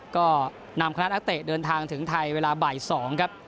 ก็นำคณะนักเตะเดินทางถึงไทยเวลาบ่าย๒ครับ